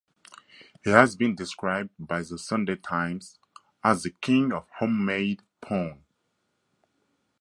He has been described by "The Sunday Times" as "the king of homemade porn".